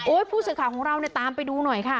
ผู้สื่อข่าวของเราเนี่ยตามไปดูหน่อยค่ะ